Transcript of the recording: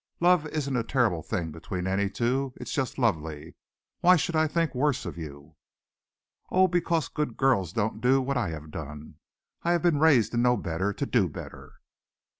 "Love isn't a terrible thing between any two. It's just lovely. Why should I think worse of you?" "Oh, because good girls don't do what I have done. I have been raised to know better to do better."